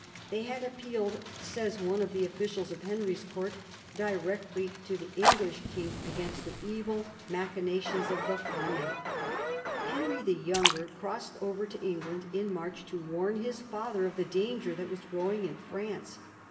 They had appealed, says one of the officials of Henry's court, directly to the English king against the evil machi nations of the Fleming. Henry, the younger, crossed over to England in March to warn his father of the danger that was growing in France.